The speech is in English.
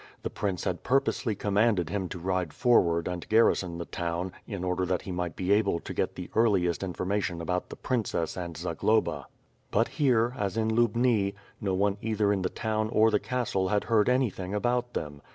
The prince had purposely commanded him to ride forward and garrison the town, in order that he might be able to get the earliest information about the prin cess and Zagloba. But here, as in Lubni, no one either in the town or the castle had heard anything about them.